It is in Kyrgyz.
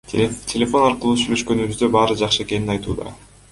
Телефон аркылуу сүйлөшкөнүбүздө баары жакшы экенин айтууда.